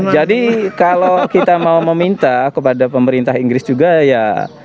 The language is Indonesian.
jadi kalau kita mau meminta kepada pemerintah inggris juga ya